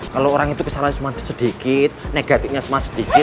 kalo orang itu kesalahan sedikit negatifnya sedikit